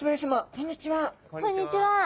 こんにちは。